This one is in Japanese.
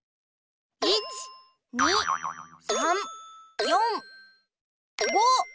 １２３４５。